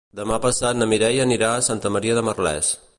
Demà passat na Mireia anirà a Santa Maria de Merlès.